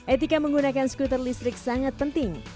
etika menggunakan skuter listrik sangat penting